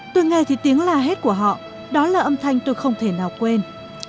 tôi nghe thì tiếng la hét của họ đó là âm thanh tôi không thể nào quên